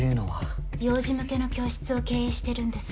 幼児向けの教室を経営してるんです。